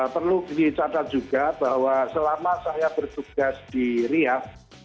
perlu dicatat juga bahwa selama saya bertugas di riau